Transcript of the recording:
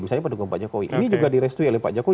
misalnya pendukung pak jokowi ini juga direstui oleh pak jokowi